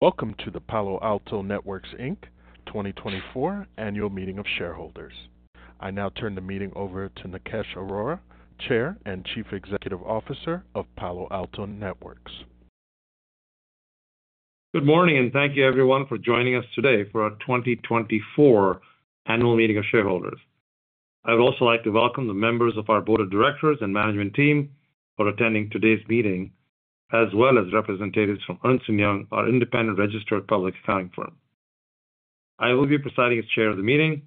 Welcome to the Palo Alto Networks Inc. 2024 Annual Meeting of Shareholders. I now turn the meeting over to Nikesh Arora, Chair and Chief Executive Officer of Palo Alto Networks. Good morning, and thank you, everyone, for joining us today for our 2024 Annual Meeting of Shareholders. I would also like to welcome the members of our Board of Directors and Management Team for attending today's meeting, as well as representatives from Ernst & Young, our independent registered public accounting firm. I will be presiding as Chair of the meeting.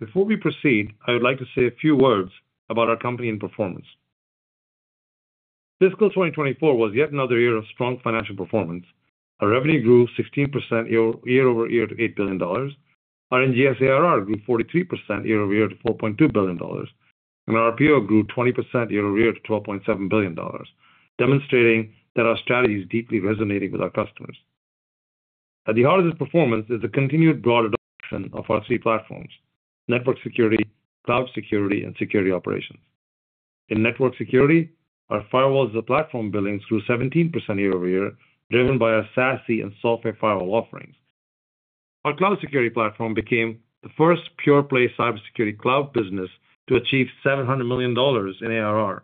Before we proceed, I would like to say a few words about our company and performance. Fiscal 2024 was yet another year of strong financial performance. Our revenue grew 16% year-over-year to $8 billion. Our NGS ARR grew 43% year-over-year to $4.2 billion, and our RPO grew 20% year-over-year to $12.7 billion, demonstrating that our strategy is deeply resonating with our customers. At the heart of this performance is the continued broad adoption of our three platforms: Network Security, Cloud Security, and Security Operations. In Network Security, our firewalls as a platform billings grew 17% year-over-year, driven by our SASE and Software Firewall offerings. Our Cloud Security platform became the first pure-play cybersecurity cloud business to achieve $700 million in ARR.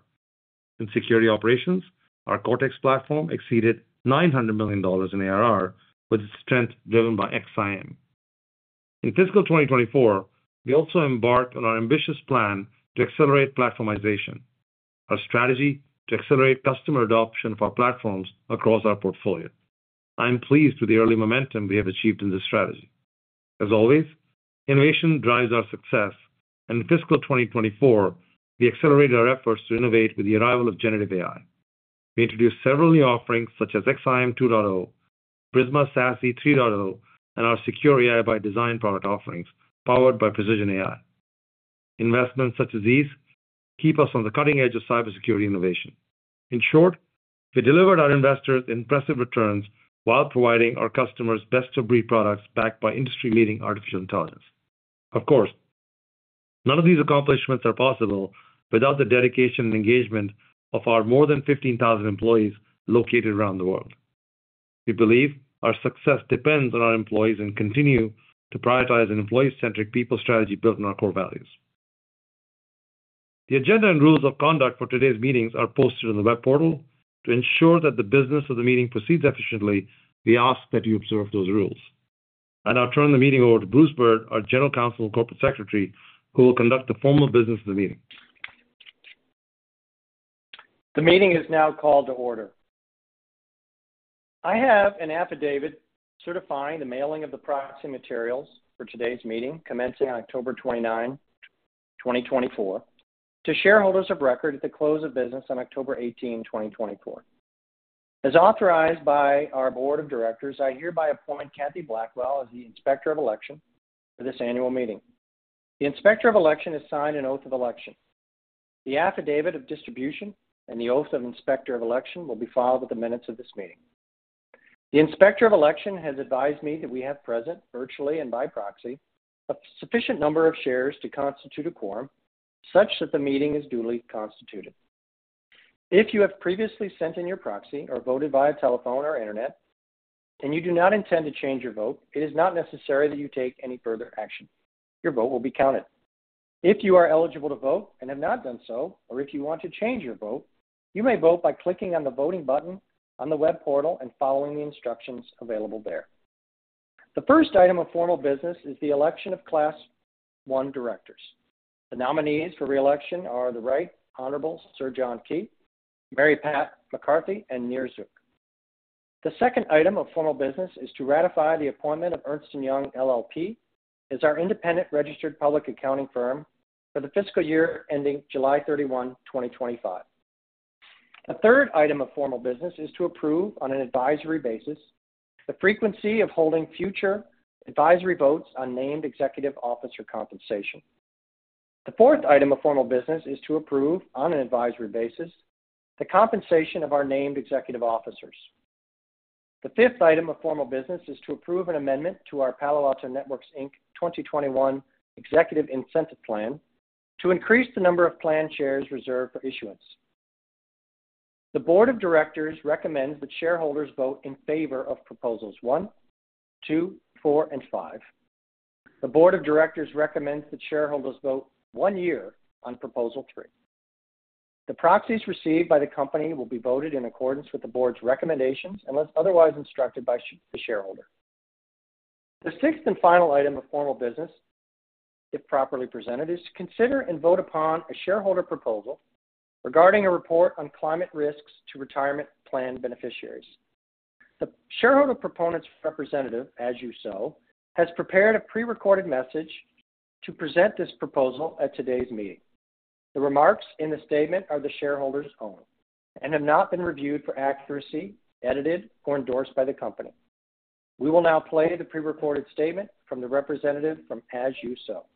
In Security Operations, our Cortex platform exceeded $900 million in ARR with its strength driven by XSIAM. In Fiscal 2024, we also embarked on our ambitious plan to accelerate platformization, our strategy to accelerate customer adoption for our platforms across our portfolio. I am pleased with the early momentum we have achieved in this strategy. As always, innovation drives our success, and in Fiscal 2024, we accelerated our efforts to innovate with the arrival of generative AI. We introduced several new offerings such as XSIAM 2.0, Prisma SASE 3.0, and our Secure AI by Design product offerings powered by Precision AI. Investments such as these keep us on the cutting edge of cybersecurity innovation. In short, we delivered our investors impressive returns while providing our customers best-of-breed products backed by industry-leading artificial intelligence. Of course, none of these accomplishments are possible without the dedication and engagement of our more than 15,000 employees located around the world. We believe our success depends on our employees and continue to prioritize an employee-centric people strategy built on our core values. The agenda and rules of conduct for today's meetings are posted on the web portal. To ensure that the business of the meeting proceeds efficiently, we ask that you observe those rules. I now turn the meeting over to Bruce Byrd, our General Counsel and Corporate Secretary, who will conduct the formal business of the meeting. The meeting is now called to order. I have an affidavit certifying the mailing of the proxy materials for today's meeting, commencing on October 29, 2024, to shareholders of record at the close of business on October 18, 2024. As authorized by our Board of Directors, I hereby appoint Kathy Blackwell as the Inspector of Election for this annual meeting. The Inspector of Election has signed an oath of election. The affidavit of distribution and the oath of Inspector of Election will be filed at the minutes of this meeting. The Inspector of Election has advised me that we have present, virtually and by proxy, a sufficient number of shares to constitute a quorum such that the meeting is duly constituted. If you have previously sent in your proxy or voted via telephone or internet, and you do not intend to change your vote, it is not necessary that you take any further action. Your vote will be counted. If you are eligible to vote and have not done so, or if you want to change your vote, you may vote by clicking on the voting button on the web portal and following the instructions available there. The first item of formal business is the election of Class 1 directors. The nominees for reelection are the Right Honorable Sir John Key, Mary Pat McCarthy, and Nir Zuk. The second item of formal business is to ratify the appointment of Ernst & Young LLP as our independent registered public accounting firm for the fiscal year ending July 31, 2025. The third item of formal business is to approve, on an advisory basis, the frequency of holding future advisory votes on named executive officer compensation. The fourth item of formal business is to approve, on an advisory basis, the compensation of our named executive officers. The fifth item of formal business is to approve an amendment to our Palo Alto Networks Inc. 2021 Executive Incentive Plan to increase the number of plan shares reserved for issuance. The Board of Directors recommends that shareholders vote in favor of proposals 1, 2, 4, and 5. The Board of Directors recommends that shareholders vote one year on proposal 3. The proxies received by the company will be voted in accordance with the board's recommendations unless otherwise instructed by the shareholder. The sixth and final item of formal business, if properly presented, is to consider and vote upon a shareholder proposal regarding a report on climate risks to retirement plan beneficiaries. The shareholder proponent's representative, As You Sow, has prepared a pre-recorded message to present this proposal at today's meeting. The remarks in the statement are the shareholders' own and have not been reviewed for accuracy, edited, or endorsed by the company. We will now play the pre-recorded statement from the representative from As You Sow.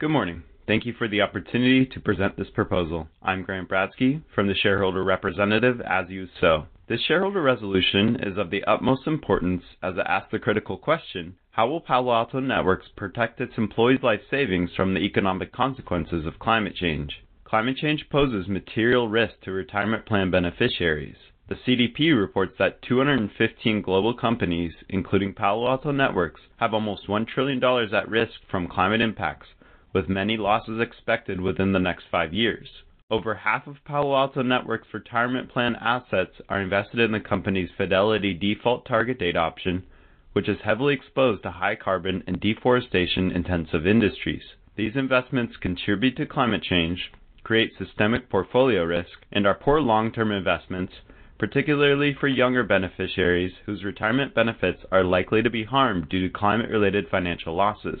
Good morning. Thank you for the opportunity to present this proposal. I'm Grant Bradski from the shareholder representative, As You Sow. This shareholder resolution is of the utmost importance as it asks the critical question, how will Palo Alto Networks protect its employees' life savings from the economic consequences of climate change? Climate change poses material risk to retirement plan beneficiaries. The CDP reports that 215 global companies, including Palo Alto Networks, have almost $1 trillion at risk from climate impacts, with many losses expected within the next five years. Over half of Palo Alto Networks' retirement plan assets are invested in the company's Fidelity default target date option, which is heavily exposed to high carbon and deforestation-intensive industries. These investments contribute to climate change, create systemic portfolio risk, and are poor long-term investments, particularly for younger beneficiaries whose retirement benefits are likely to be harmed due to climate-related financial losses.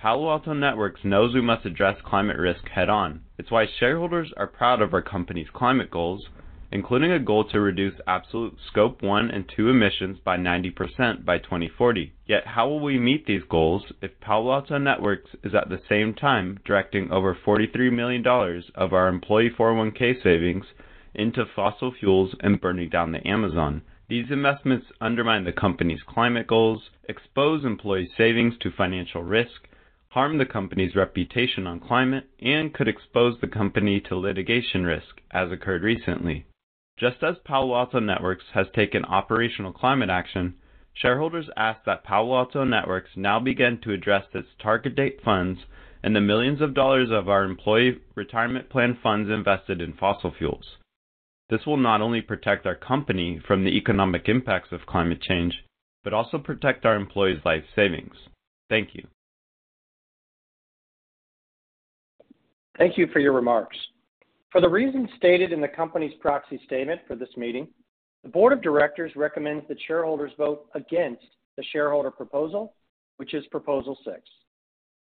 Palo Alto Networks knows we must address climate risk head-on. It's why shareholders are proud of our company's climate goals, including a goal to reduce absolute Scope 1 and 2 emissions by 90% by 2040. Yet, how will we meet these goals if Palo Alto Networks is at the same time directing over $43 million of our employee 401(k) savings into fossil fuels and burning down the Amazon? These investments undermine the company's climate goals, expose employee savings to financial risk, harm the company's reputation on climate, and could expose the company to litigation risk, as occurred recently. Just as Palo Alto Networks has taken operational climate action, shareholders ask that Palo Alto Networks now begin to address its target date funds and the millions of dollars of our employee retirement plan funds invested in fossil fuels. This will not only protect our company from the economic impacts of climate change but also protect our employees' life savings. Thank you. Thank you for your remarks. For the reasons stated in the company's proxy statement for this meeting, the Board of Directors recommends that shareholders vote against the shareholder proposal, which is Proposal 6.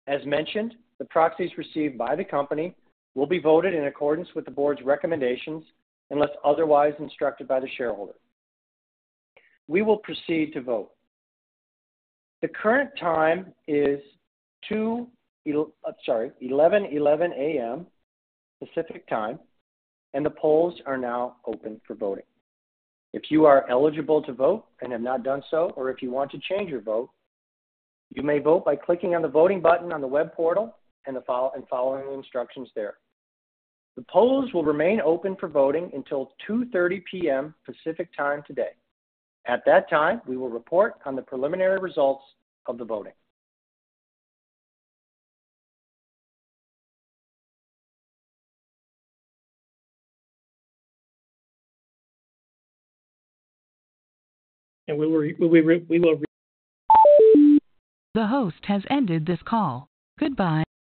As mentioned, the proxies received by the company will be voted in accordance with the board's recommendations unless otherwise instructed by the shareholder. We will proceed to vote. The current time is 2:00. I'm sorry, 11:11 A.M. Pacific time, and the polls are now open for voting. If you are eligible to vote and have not done so, or if you want to change your vote, you may vote by clicking on the voting button on the web portal and following the instructions there. The polls will remain open for voting until 2:30 P.M. Pacific time today. At that time, we will report on the preliminary results of the voting. We will. The host has ended this call. Goodbye.